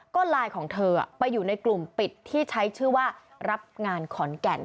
ก็ไลน์ของเธอไปอยู่ในกลุ่มปิดที่ใช้ชื่อว่ารับงานขอนแก่น